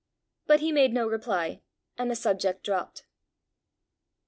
But he made no reply, and the subject dropped.